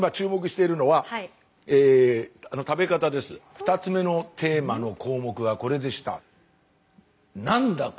２つ目のテーマの項目はこれでした。